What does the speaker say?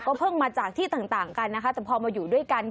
เพิ่งมาจากที่ต่างกันนะคะแต่พอมาอยู่ด้วยกัน